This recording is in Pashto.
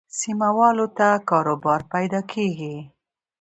سیمه والو ته کاروبار پیدا کېږي.